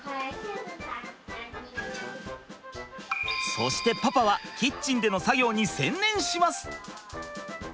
そしてパパはキッチンでの作業に専念します。